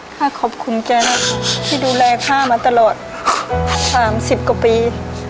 ข้าขอบคุณแกที่ดูแลข้ามาตลอด๓๐กว่าปี